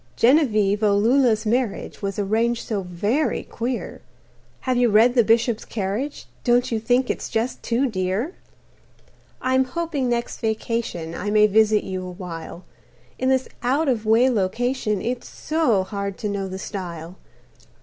"Genevieve O loola's marriage Was arranged so very queer Have you read 'The Bishop's Carriage'? Don't you think it's just too dear? "I am hoping next vacation I may visit you a while. In this out of way location It's so hard to know the style.